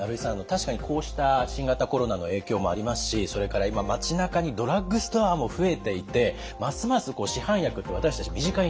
確かにこうした新型コロナの影響もありますしそれから今町なかにドラッグストアも増えていてますます市販薬って私たち身近になっていると。